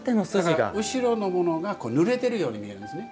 だから後ろのものがぬれてるように見えるんですね。